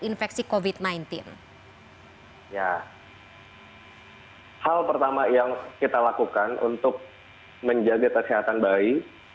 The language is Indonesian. infeksi covid sembilan belas ya hal pertama yang kita lakukan untuk menjaga kesehatan bayi